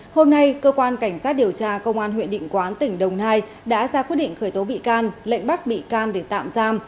hôm nay cơ quan cảnh sát điều tra công an huyện định quán tỉnh đồng nai đã ra quyết định khởi tố bị can lệnh bắt bị can để tạm giam